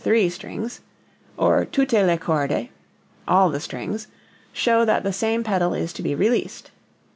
three strings) or tutte le corde (all the strings) show that the same pedal is to be released.